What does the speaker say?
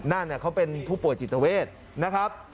นั่นเขาเป็นผู้ป่วยจิตเวทนะครับ